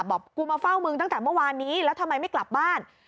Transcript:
บอกกูมาเฝ้ามึงตั้งแต่เมื่อวานนี้แล้วทำไมไม่กลับบ้าน